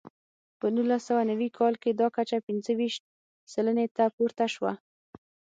په نولس سوه نوي کال کې دا کچه پنځه ویشت سلنې ته پورته شوه.